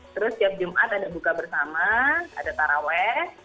terus setiap jumat ada buka bersama ada taraweh